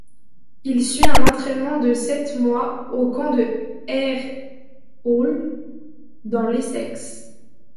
Il suit un entraînement de sept mois au camp de Hare Hall dans l'Essex.